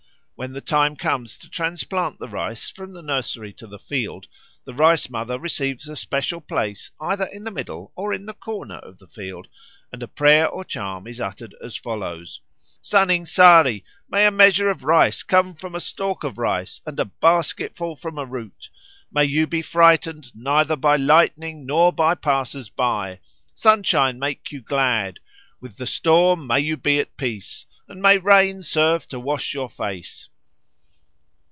When the time comes to transplant the rice from the nursery to the field, the Rice mother receives a special place either in the middle or in a corner of the field, and a prayer or charm is uttered as follows: "Saning Sari, may a measure of rice come from a stalk of rice and a basketful from a root; may you be frightened neither by lightning nor by passers by! Sunshine make you glad; with the storm may you be at peace; and may rain serve to wash your face!"